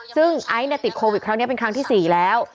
ซึ่งไอซ์ติดโควิดครั้งนี้เป็นครั้งที่๔แล้ว